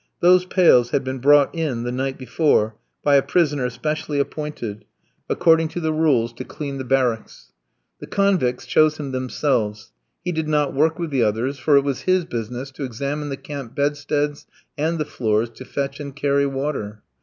Those pails had been brought in the night before by a prisoner specially appointed, according to the rules, to clean the barracks. The convicts chose him themselves. He did not work with the others, for it was his business to examine the camp bedsteads and the floors, to fetch and carry water.